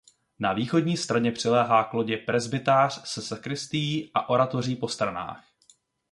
Na východní straně přiléhá k lodi presbytář se sakristií a oratoří po stranách.